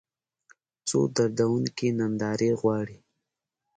څو دردونکې نندارې غواړي